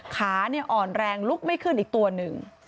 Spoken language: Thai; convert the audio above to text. ขาอ่อนแรงลุกไม่ขึ้นอีกตัวหนึ่ง